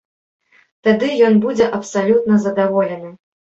Тады ён будзе абсалютна задаволены.